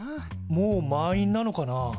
もう満員なのかな？